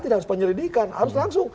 tidak harus penyelidikan harus langsung